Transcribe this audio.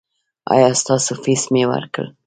ایا ستاسو فیس مې ورکړ؟